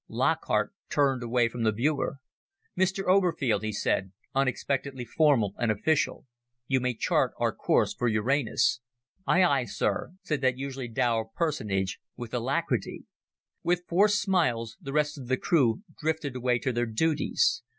Lockhart turned away from the viewer. "Mr. Oberfield," he said, unexpectedly formal and official, "you may chart our course for Uranus." "Aye, aye, sir," said that usually dour personage, with alacrity. With forced smiles, the rest of the crew drifted away to their duties.